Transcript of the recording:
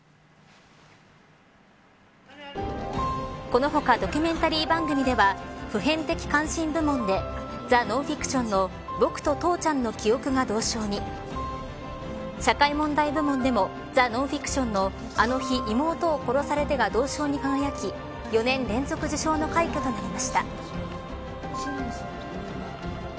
この他ドキュメンタリー番組では普遍的関心部門でザ・ノンフィクションのボクと父ちゃんの記憶が銅賞に社会問題部門でもザ・ノンフィクションのあの日妹を殺されて、が銅賞に輝き、４年連続受賞の快挙となりました。